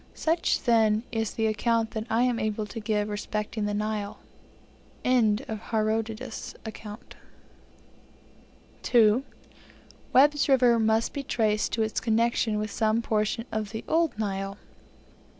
Such, then, is the account that I am able to give respecting the Nile. <end of Herodotus's account) 2. Webb's River must be traced to its connection with some portion of the old Nile.